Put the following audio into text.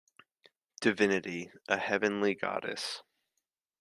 Divinity- a heavenly goddess.